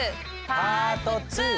パート２。